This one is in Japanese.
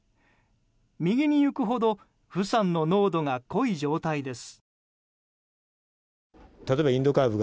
右にいくほどフサンの濃度が濃い状態です。